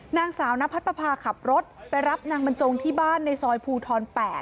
นางสาวนพัดประพาขับรถไปรับนางบรรจงที่บ้านในซอยภูทร๘